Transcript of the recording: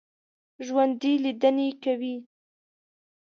ژوندي لیدنې کوي